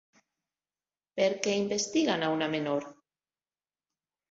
Per què investiguen a una menor?